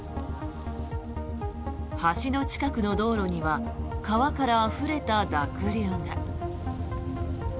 橋の近くの道路には川からあふれた濁流が。